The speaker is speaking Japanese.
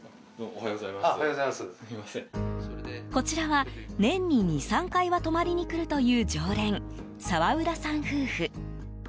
こちらは年に２３回は泊まりに来るという常連澤浦さん夫婦。